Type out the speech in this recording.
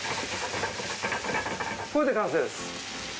これで完成です。